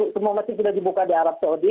semua masjid sudah dibuka di arab saudi